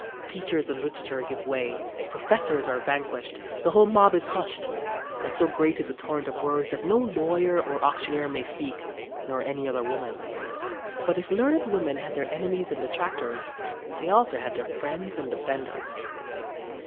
Teachers of literature give way, professors are vanquished, the whole mob is hushed, and so great is the torrent of words that no lawyer or auctioneer may speak, nor any other woman." But if learned women had their enemies and detractors they also had friends and defenders.